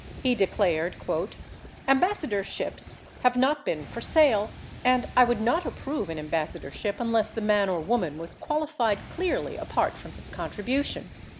He declared, "Ambassadorships have not been for sale and I would not approve an ambassadorship unless the man or woman was qualified clearly apart from his contribution."